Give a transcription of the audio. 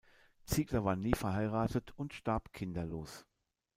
Ziegler war nie verheiratet und starb kinderlos.